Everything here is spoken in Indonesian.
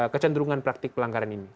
kecenderungan praktik pelanggaran ini